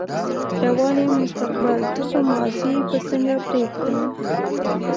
روان يم مستقبل ته خو ماضي به څنګه پرېږدم